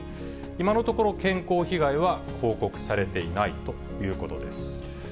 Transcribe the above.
今のところ、健康被害は報告されていないということです。